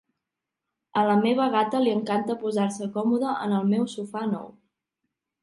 A la meva gata li encanta posar-se còmoda en el meu sofà nou.